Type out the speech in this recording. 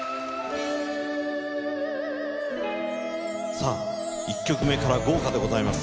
さぁ１曲目から豪華でございます。